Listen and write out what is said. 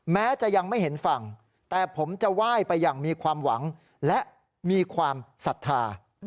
แม้จะยังไม่เห็นฝั่งแต่ผมจะไหว้ไปอย่างมีความหวังและมีความศรัทธา